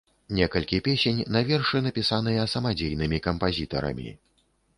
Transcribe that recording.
Некалькі песень на вершы напісаныя самадзейнымі кампазітарамі.